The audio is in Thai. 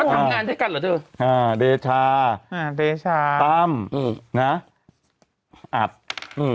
ทำงานด้วยกันเหรอเธออ่าเดชาอ่าเดชาตั้มอืมนะอัดอืม